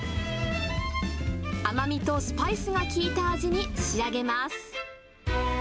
甘みとスパイスが効いた味に仕上げます。